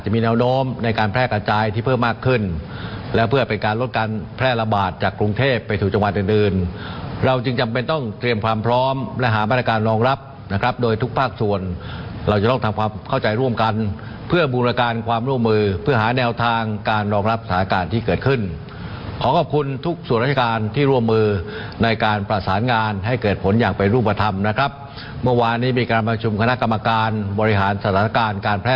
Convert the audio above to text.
พร้อมพร้อมและหาบรรยาการรองรับนะครับโดยทุกภาคส่วนเราจะต้องทำความเข้าใจร่วมกันเพื่อบูรการความร่วมมือเพื่อหาแนวทางการรองรับสถานการณ์ที่เกิดขึ้นขอขอบคุณทุกส่วนราชการที่ร่วมมือในการประสานงานให้เกิดผลอย่างเป็นรูปธรรมนะครับเมื่อวานนี้มีการประชุมคณะกรรมการบริหารสถานการณ์การแพ